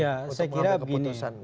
ya saya kira begini